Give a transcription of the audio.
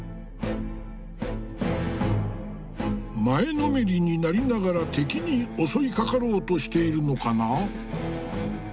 前のめりになりながら敵に襲いかかろうとしているのかな？